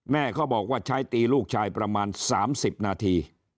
แม่เขาบอกว่าใช้ตีลูกชายประมาณ๓๐นาที